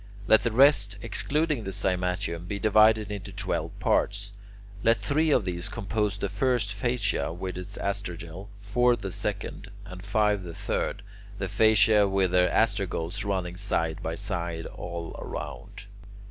Let the rest, excluding the cymatium, be divided into twelve parts. Let three of these compose the first fascia with its astragal, four the second, and five the third, the fasciae with their astragals running side by side all round.